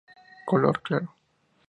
Color claro.